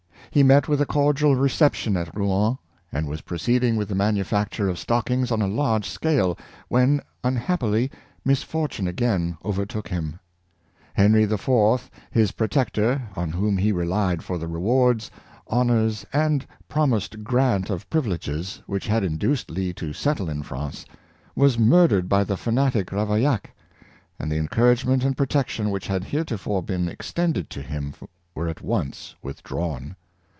He met with a cordial reception at Rouen, and was proceeding with the manufacture of stockings on a large scale, when unhappil}^, misfortune again overtook him. Henry IV., his protector, on whom he relied for the rewards, honors, and promised grant of privileges, which had induced Lee to settle in France, was murdered by the fanatic Ravaillac, and the encouragement and protection which had heretofore been extended to him were at once with drawn.